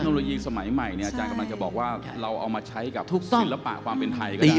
โลยีสมัยใหม่เนี่ยอาจารย์กำลังจะบอกว่าเราเอามาใช้กับศิลปะความเป็นไทยก็ได้